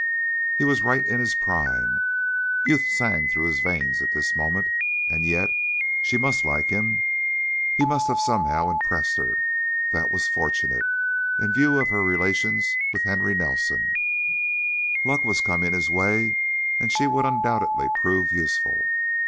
He was right in his prime, youth sang through his veins at this moment, and yet she must like him, he must have somehow impressed her. That was fortunate, in view of her relations with Henry Nelson; luck was coming his way, and she would undoubtedly prove useful.